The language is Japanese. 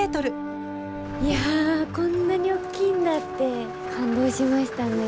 いやこんなに大きいんだって感動しましたね。